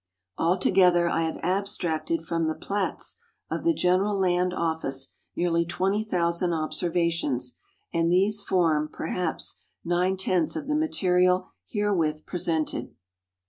Altogether, I have abstracted from the plats of the (ien eral Land Office nearly 20,000 observations, andtliese form, perhaps, nine tenths of the material herewith i)resented."